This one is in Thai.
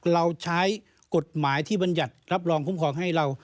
เราใช้กฎหมายที่บรรยัติรับรองคุ้มครองให้เรา